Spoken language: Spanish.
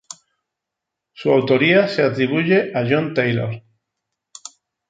Su autoría se atribuye a John Taylor.